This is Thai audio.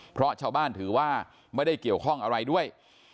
เพราะชาวบ้านถือว่าไม่ได้เกี่ยวข้องอะไรด้วย